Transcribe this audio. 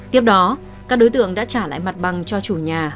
tiếp đó các đối tượng đã trả lại mặt bằng cho chủ nhà